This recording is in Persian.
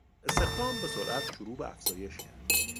استخدام به سرعت شروع به افزایش کرد.